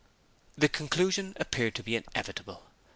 The conclusion appeared to be inevitable.